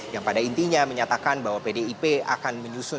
yang pada intinya menyatakan bahwa pdip akan menyusun